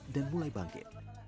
dan mulai bangkit